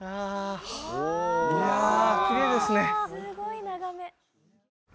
あきれいですね